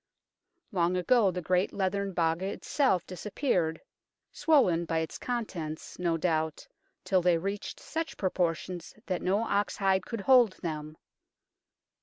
Long ago the great leathern Baga itself dis appeared, swollen by its contents, no doubt, till they reached such proportions that no ox hide could hold them.